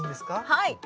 はい。